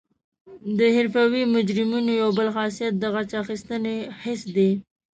د حرفوي مجرمینو یو بل خاصیت د غچ اخیستنې حس دی